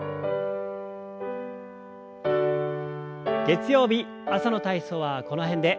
月曜日朝の体操はこの辺で。